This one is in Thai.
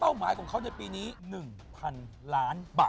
หมายของเขาในปีนี้๑๐๐๐ล้านบาท